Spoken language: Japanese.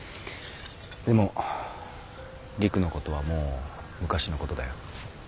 でも陸のことはもう昔のことだよ。